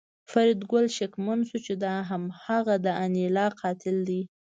فریدګل شکمن شو چې دا هماغه د انیلا قاتل دی